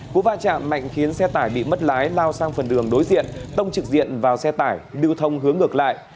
cú va chạm mạnh khiến xe tải bị mất lái lao sang phần đường đối diện tông trực diện vào xe tải lưu thông hướng ngược lại